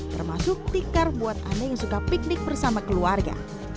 termasuk tikar buat anda yang suka piknik bersama keluarga